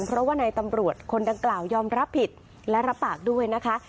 เพราะว่าในตำรวจคนดังกล่าวยอมรับผิดและรับปากด้วยนะคะ